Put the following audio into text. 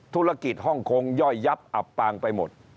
ธุรกิจฮ่องคงย่อยยับอับปางไปหมด